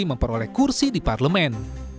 memperoleh kursi di parlemen